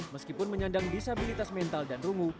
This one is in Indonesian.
meskipun menyandang disabilitas mental dan rungu